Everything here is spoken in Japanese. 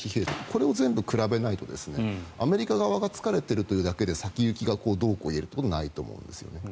これを全部比べないとアメリカ側が疲れているというだけで先行きがどうこう言えることはないと思うんです。